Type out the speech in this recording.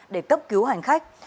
để cấp cứu hành khách